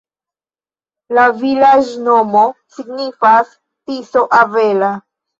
La vilaĝnomo signifas: Tiso-avela.